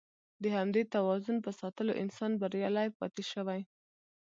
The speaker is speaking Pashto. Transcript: د همدې توازن په ساتلو انسان بریالی پاتې شوی.